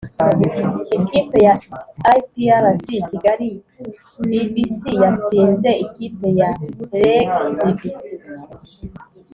Ikipe ya iprc kigali bbc yatsinze ikipe ya reg bbc